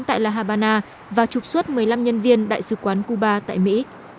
tại la habana và trục xuất một mươi năm nhân viên đại sứ quán cuba tại mỹ